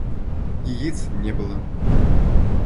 Яиц не было.